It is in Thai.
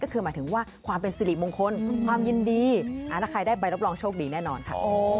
ก็คือหมายถึงว่าความเป็นสิริมงคลความยินดีถ้าใครได้ใบรับรองโชคดีแน่นอนค่ะ